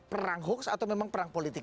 perang hoax atau memang perang politik